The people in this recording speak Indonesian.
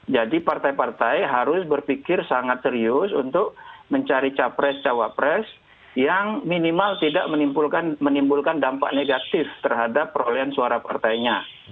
jadi partai partai harus berpikir sangat serius untuk mencari capres cawapres yang minimal tidak menimbulkan dampak negatif terhadap perolehan suara partainya